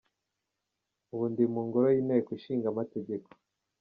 Ubu ndi mu ngoro y’Inteko Ishinga Amategeko.